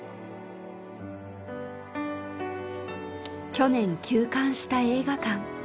去年休館した映画館。